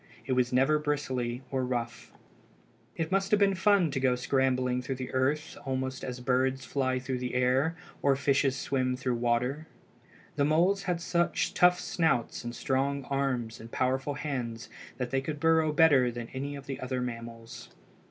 It was never bristly or rough. It must have been fun to go scrambling through earth almost as birds fly through air or fishes swim through water. The moles had such tough snouts and strong arms and powerful hands that they could burrow better than any of the other mammals.